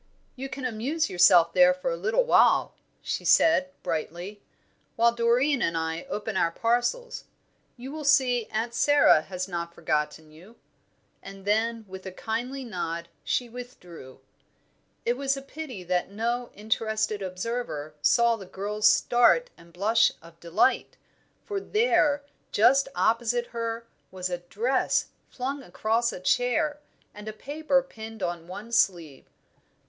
"You can amuse yourself there for a little while," she said, brightly, "while Doreen and I open our parcels. You will see Aunt Sara has not forgotten you." And then, with a kindly nod, she withdrew. It was a pity that no interested observer saw the girl's start and blush of delight, for there, just opposite her, was a dress, flung across a chair, and a paper pinned on one sleeve.